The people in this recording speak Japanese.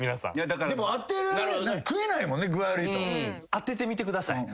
あててみてください。